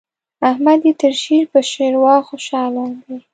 احمد يې تر شير په شېروا خوشاله دی.